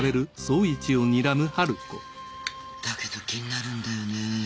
だけど気になるんだよね。